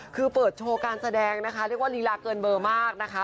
คือเปิดโชว์การแสดงนะคะเรียกว่าลีลาเกินเบอร์มากนะคะ